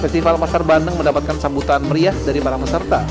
festival pasar bandeng mendapatkan sambutan meriah dari para peserta